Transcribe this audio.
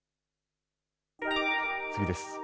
次です。